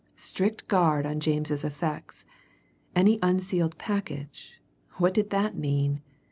Strict guard on James's effects any sealed package what did that mean?